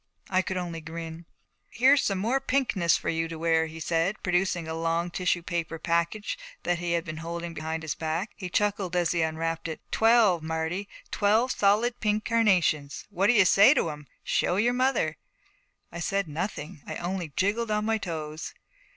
I could only grin. 'Here's some more pinkness for you to wear,' he said, producing a long tissue paper package that he had been holding behind his back. He chuckled as he unwrapped it. 'Twelve, Marty; twelve solid pink carnations. What do you say to 'em? Show your mother.' I said nothing. I only jiggled on my toes.